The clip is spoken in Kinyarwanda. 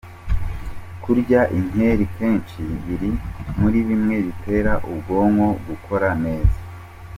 Kurya inkeri kenshi biri muri bimwe bitera ubwonko gukora neza.